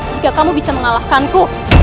jika kamu bisa mengalahkanku